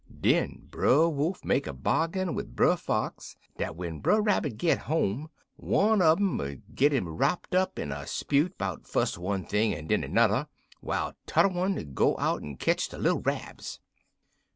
"Den Brer Wolf make a bargain wid Brer Fox dat when Brer Rabbit git home, one un um ud git 'im wropped up in a 'spute 'bout fust one thing en den anudder, whiles tudder one ud go out en ketch de little Rabs.